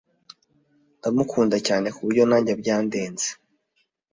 ndamukunda cyane kuburyo najye byandenze